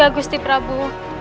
sendika gusti prabu